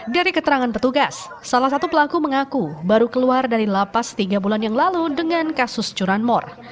dari keterangan petugas salah satu pelaku mengaku baru keluar dari lapas tiga bulan yang lalu dengan kasus curanmor